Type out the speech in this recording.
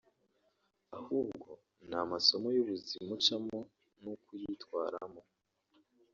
ahubwo ni amasomo y’ubuzima ucamo nuko uyitwaramo